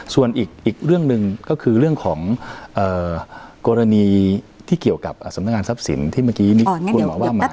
ส่วนอีกเรื่องหนึ่งก็คือเรื่องของกรณีที่เกี่ยวกับสำนักงานทรัพย์สินที่เมื่อกี้นี้คุณหมอว่ามา